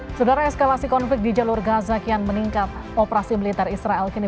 hai saudara eskalasi konflik di jalur gaza kian meningkat operasi militer israel kini